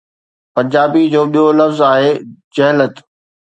پنجابي جو ٻيو لفظ آهي ’جھلٽ‘.